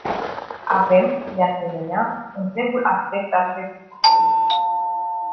Avem, de asemenea, întregul aspect al recursului.